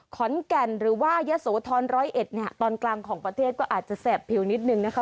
ขอนแก่นหรือว่ายะโสธรร้อยเอ็ดเนี่ยตอนกลางของประเทศก็อาจจะแสบผิวนิดนึงนะคะ